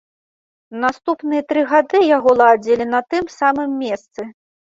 Наступныя тры гады яго ладзілі на тым самым месцы.